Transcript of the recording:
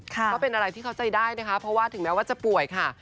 ก็เป็นอะไรที่เข้าใจได้นะคะเพราะว่าถึงแม้ว่าจะป่วยค่ะ